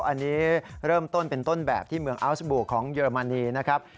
อันนี้เริ่มต้นเป็นต้นแบบที่เมืองอัลสบูของเยอรมนีนะครับ